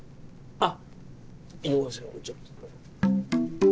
あっ！